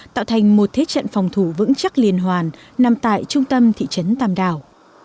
tạo thành một thế trận phòng thủ vững chắc liên hoàn nằm tại trung tâm thị trấn tam đảo